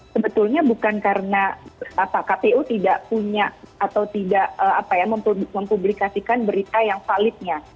sebetulnya bukan karena kpu tidak punya atau tidak mempublikasikan berita yang validnya